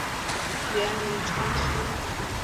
原名昌枢。